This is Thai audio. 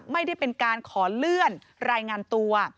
ไม่ได้เป็นการขอเลื่อนรายงานตัว